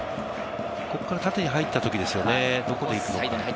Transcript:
ここから縦に入ったときですよね、どこでいくのか。